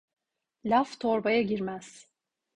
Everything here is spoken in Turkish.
Laf torbaya girmez.